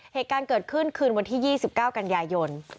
เหตุการณ์เกิดขึ้นคืนวันที่๒๙กันยายน